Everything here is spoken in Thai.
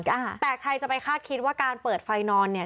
ใครตายจะไปคาดคิดว่าการเปิดไฟนอนเนี่ย